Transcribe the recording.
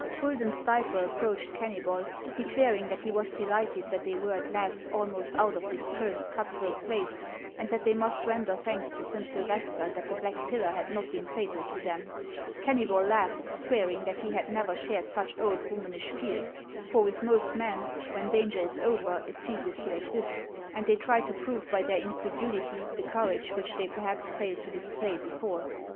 Guidon Stayper approached Kennybol, declaring that he was delighted that they were at last almost out of this cursed cut throat place, and that they must render thanks to Saint Sylvester that the Black Pillar had not been fatal to them. Kennybol laughed, swearing that he had never shared such old womanish fears ; for with most men, when dan ger is over it ceases to exist, and they try to prove by their incredulity the courage which they perhaps failed to display before.